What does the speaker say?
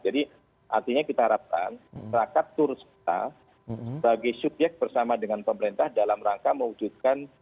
jadi artinya kita harapkan terangkat turus kita sebagai subyek bersama dengan pemerintah dalam rangka mewujudkan